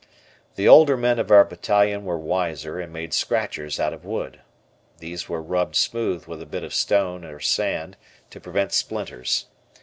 The older men of our battalion were wiser and made scratchers out of wood. These were rubbed smooth with a bit of stone or sand to prevent splinters.